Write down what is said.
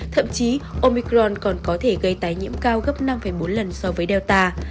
thậm chí omicron còn có thể gây tái nhiễm cao gấp năm bốn lần so với delta